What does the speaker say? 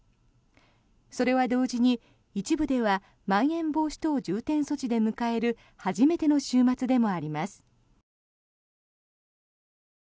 それは同時に一部ではまん延防止等重点措置で迎える初めての週末でもあります。